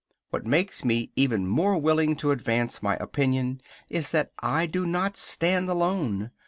What makes me even more willing to advance my opinion is that I do not stand alone.